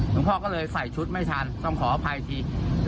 พ่อก็เลยใส่ชุดไม่ทันต้องขออภัยที